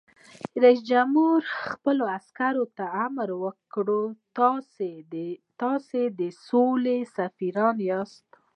رئیس جمهور خپلو عسکرو ته امر وکړ؛ تاسو د سولې سفیران یاست!